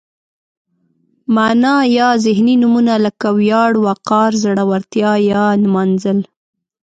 معنا یا ذهني نومونه لکه ویاړ، وقار، زړورتیا یا نمانځل.